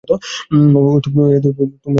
ওহ, তোমরা খুব ভালো বন্ধু।